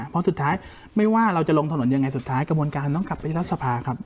เพราะสุดท้ายไม่ว่าเราจะลงถนนยังไงสุดท้ายกระบวนการต้องกลับไปที่รัฐสภาครับ